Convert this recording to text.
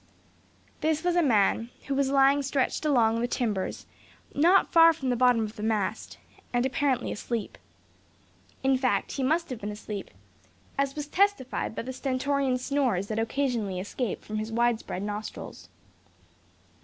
This was a man who was lying stretched along the timbers, not far from the bottom of the mast, and apparently asleep. In fact he must have been asleep, as was testified by the stentorian snores that occasionally escaped from his wide spread nostrils.